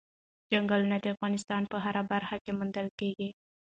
چنګلونه د افغانستان په هره برخه کې موندل کېږي.